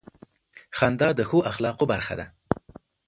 • خندا د ښو اخلاقو برخه ده.